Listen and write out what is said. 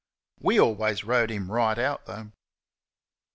WE always rode him right out, though.